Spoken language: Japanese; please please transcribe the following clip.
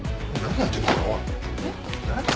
何やってんの。